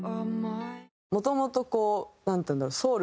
もともとこうなんていうんだろう。